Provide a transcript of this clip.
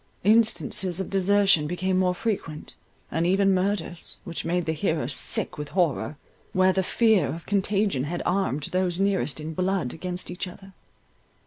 Instances of desertion became more frequent; and even murders, which made the hearer sick with horror, where the fear of contagion had armed those nearest in blood against each other.